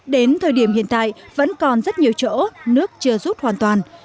đến thời điểm hiện tại vẫn còn rất nhiều chỗ nước chưa rút hoàn toàn